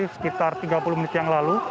sekitar tiga puluh menit yang lalu